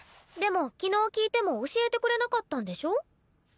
でも昨日聞いても教えてくれなかったんでしょ？